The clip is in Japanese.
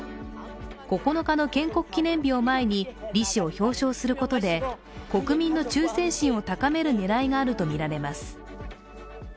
９日の建国記念日を前にリ氏を表彰することで国民の忠誠心を高める狙いがあるとみられます。